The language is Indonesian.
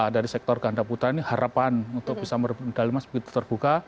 dari sektor ganda putra ini harapan untuk bisa mendalima seperti terbuka